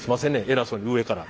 偉そうに上から。